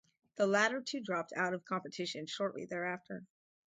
The latter two dropped out of competition shortly thereafter.